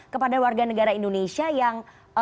kepada warga negara indonesia yang